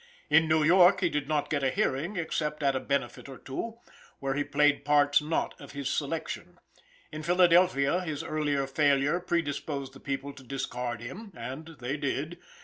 In New York he did not get a hearing, except at a benefit or two: where he played parts not of his selection. In Philadelphia his earlier failure predisposed the people to discard him, and they did.